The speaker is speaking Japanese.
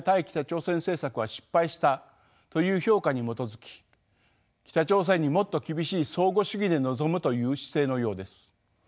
北朝鮮政策は失敗したという評価に基づき北朝鮮にもっと厳しい相互主義で臨むという姿勢のようです。